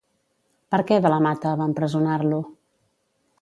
Per què De la Mata va empresonar-lo?